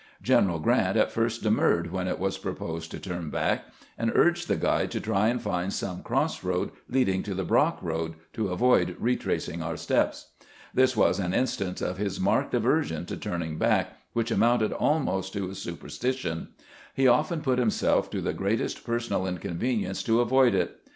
General Grant at first de murred when it was proposed to turn back, and urged the guide to try and find some cross road leading to the Brock road, to avoid retracing our steps. This was an instance of his marked aversion to turning back, which amounted almost to a superstition. He often put him self to the greatest personal inconvenience to avoid it.